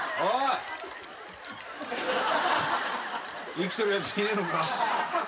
生きてるやついねえのか？